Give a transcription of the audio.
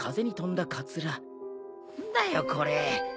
んだよこれ